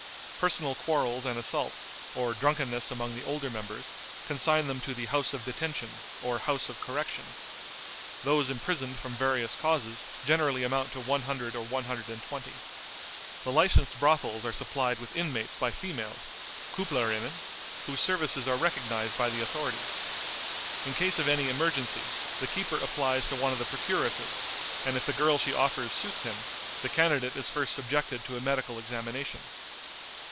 Personal quarrels and assaults, or drunkenness among the older members, consign them to the House of Detention or House of Correction. Those imprisoned from various causes generally amount to one hundred or one hundred and twenty. The licensed brothels are supplied with inmates by females (kupplerinnen) whose services are recognized by the authorities. In case of any emergency, the keeper applies to one of the procuresses, and if the girl she offers suits him, the candidate is first subjected to a medical examination.